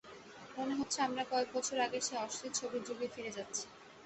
মনে হচ্ছে, আমরা কয়েক বছর আগের সেই অশ্লীল ছবির যুগেই ফিরে যাচ্ছি।